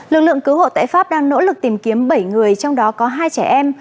lực lượng cứu hộ tại pháp đang nỗ lực tìm kiếm bảy người trong đó có hai trẻ em